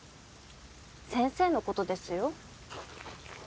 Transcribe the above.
先生のことですよ。